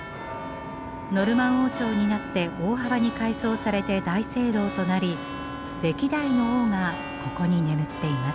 ノルマン王朝になって大幅に改装されて大聖堂となり歴代の王がここに眠っています。